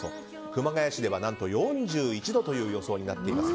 熊谷市では４１度という予想になっています。